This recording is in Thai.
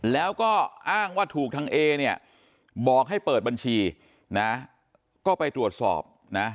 แล้วก็อ้างว่าถูกทางเอเนี่ยบอกให้เปิดบัญชีนะก็ไปตรวจสอบนะ